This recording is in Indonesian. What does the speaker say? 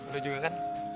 lo juga kan